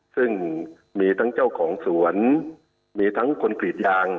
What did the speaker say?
ซึ่งมีทั้งเจ้าของสวนมีทั้งคนกรีดยาง